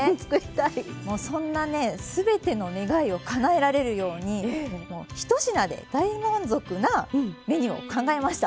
もうそんなね全ての願いをかなえられるように１品で大満足なメニューを考えました。